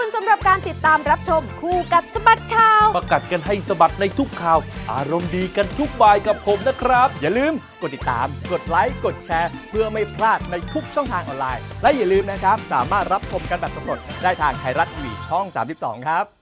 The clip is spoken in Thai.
สามารถรับคมกันแบบสมมติได้ทางไทยรัตน์อีวิธีช่อง๓๒ครับ